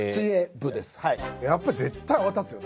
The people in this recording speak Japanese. やっぱり絶対泡立つよ。